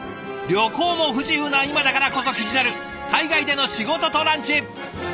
旅行も不自由な今だからこそ気になる海外での仕事とランチ。